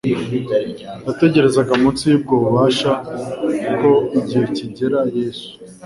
Yategerezaga munsi y'ubwo bubasha ko igihe kigera Yesu,